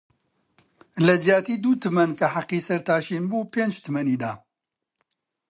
لە جیاتی دوو تمەن -کە حەقی سەرتاشین بووپنج تمەنی دا